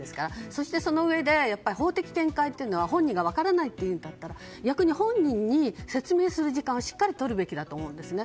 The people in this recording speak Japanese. そして、そのうえで法的見解というのは本人が分からないと言うんだったら逆に本人に説明する時間をしっかりとるべきなんですよね。